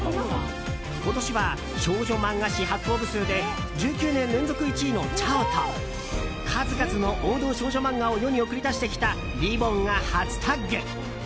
今年は少女漫画誌発行部数で１９年連続１位の「ちゃお」と数々の王道漫画を世に送り出してきた「りぼん」が初タッグ。